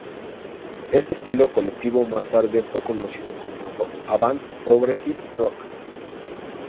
Este estilo colectivo más tarde fue conocido como "avant-progressive rock".